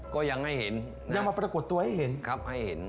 ก็ยังให้เห็นนะครับครับให้เห็น